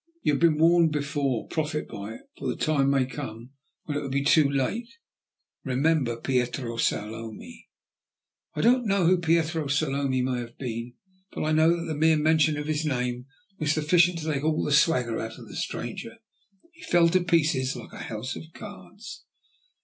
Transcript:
You have been warned before, profit by it, for the time may come when it will be too late. Remember Pietro Sallomi." I do not know who Pietro Sallomi may have been, but I know that the mere mention of his name was sufficient to take all the swagger out of the stranger. He fell to pieces like a house of cards.